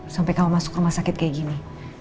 sampai kamu masuk rumah sakit kayak gini